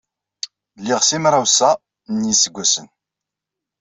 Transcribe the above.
Liɣ simraw-sa n yiseggasen.